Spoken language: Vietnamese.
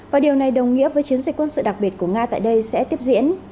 và điều này đồng nghĩa với chiến dịch quân sự đặc biệt của nga tại đây sẽ tiếp diễn